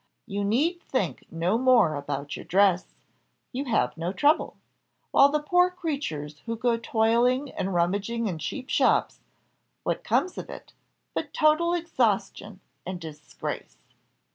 You need think no more about your dress; you have no trouble; while the poor creatures who go toiling and rummaging in cheap shops what comes of it? but total exhaustion and disgrace!